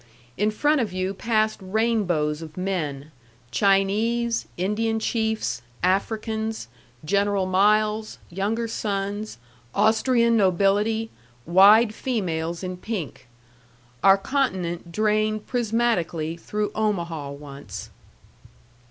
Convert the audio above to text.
In front of you passed rainbows of men, Chinese, Indian chiefs, Africans, General Miles, younger sons, Austrian nobility, wide females in pink. Our continent drained prismatically through Omaha once.